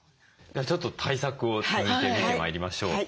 ちょっと対策を続いて見てまいりましょう。